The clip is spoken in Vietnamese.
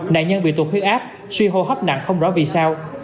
nạn nhân bị tụt huyết áp suy hô hấp nặng không rõ vì sao